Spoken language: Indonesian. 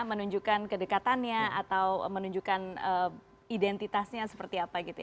menunjukkan kedekatannya atau menunjukkan identitasnya seperti apa gitu ya